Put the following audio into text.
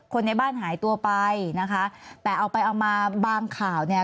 ในบ้านหายตัวไปนะคะแต่เอาไปเอามาบางข่าวเนี่ย